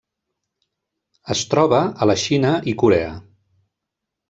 Es troba a la Xina i Corea.